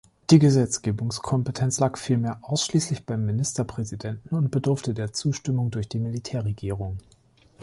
Die Gesetzgebungskompetenz lag vielmehr ausschließlich beim Ministerpräsidenten und bedurfte der Zustimmung durch die Militärregierung.